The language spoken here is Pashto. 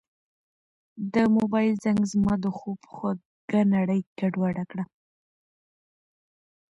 د موبایل زنګ زما د خوب خوږه نړۍ ګډوډه کړه.